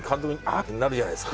ってなるじゃないですか。